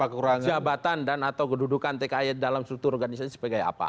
jabatan dan atau kedudukan tki dalam struktur organisasi sebagai apa